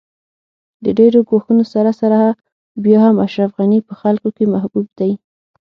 د ډېرو ګواښونو سره سره بیا هم اشرف غني په خلکو کې محبوب دی